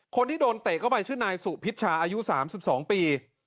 คนที่โดนเตะเข้าไปชื่อนายสุพิชชาอายุ๓๒ปี